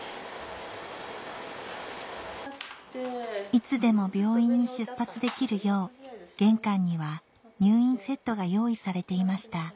いつでも病院に出発できるよう玄関には入院セットが用意されていました